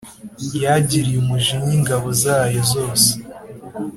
yagiriye umujinya ingabo zayo zose.